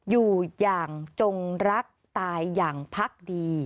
อยู่อย่างจงรักตายอย่างพักดี